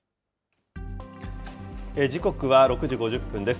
時刻は６時５０分です。